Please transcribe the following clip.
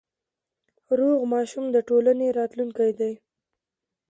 روغ ماشوم د ټولنې راتلونکی دی۔